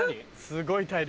すごい体力。